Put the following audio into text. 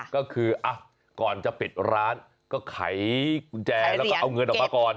ก็คือก่อนจะปิดร้านก็ไขกุญแจแล้วก็เอาเงินออกมาก่อน